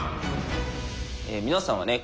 皆さんはね